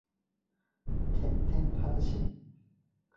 天天歡嬉戲